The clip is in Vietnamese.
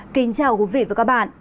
kính chào quý vị và các bạn